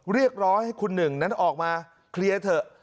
เรียกร้องให้คุณหนึ่งนั้นออกมาเคลียร์เถอะ